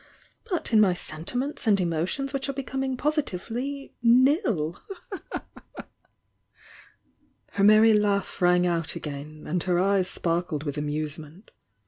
— but in my sentiments and emotions which are becoming positively nil.'" Her merry laugh rang out again, and her eyes sparkled with amusement.